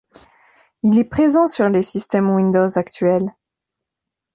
Il est présent sur les systèmes Windows actuels.